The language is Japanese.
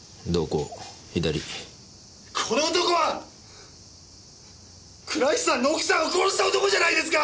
この男は倉石さんの奥さんを殺した男じゃないですか！